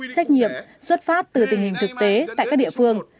trách nhiệm xuất phát từ tình hình thực tế tại các địa phương